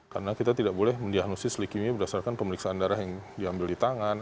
karena kita tidak boleh mendiagnosis likimia berdasarkan pemeriksaan darah yang diambil di tangan